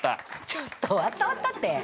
ちょっと「終わった終わった」って。